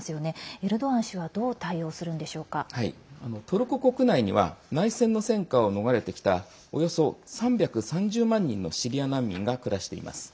エルドアン氏はトルコ国内には内戦の戦火を逃れてきたおよそ３３０万人のシリア難民が暮らしています。